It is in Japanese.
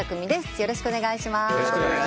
よろしくお願いします。